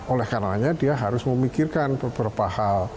oleh karenanya dia harus memikirkan beberapa hal